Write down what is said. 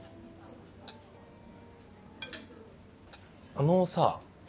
あのさ。